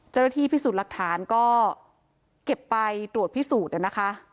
เจ้าหน้าที่พิสูจน์หลักฐานก็เก็บไปตรวจพิสูจน์นะคะ